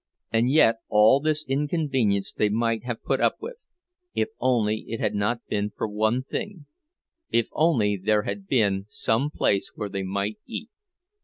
And yet all this inconvenience they might have put up with, if only it had not been for one thing—if only there had been some place where they might eat.